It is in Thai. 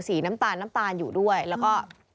สีน้ำตาลอยู่ด้วยแล้วก็